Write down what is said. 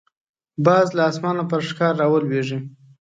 باز له اسمانه پر ښکار راولويږي